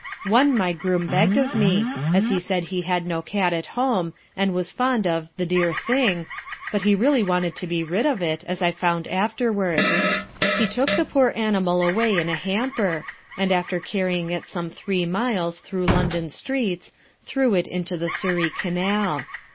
One my groom begged of me, as he said he had no cat at home, and he was fond of "the dear thing," but he really wanted to be rid of it, as I found afterwards. He took the poor animal away in a hamper, and after carrying it some three miles through London streets, threw it into the Surrey Canal.